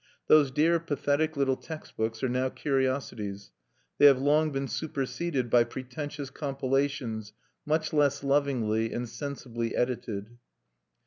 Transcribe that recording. Those dear pathetic little text books are now curiosities: they have long been superseded by pretentious compilations much less lovingly and sensibly edited.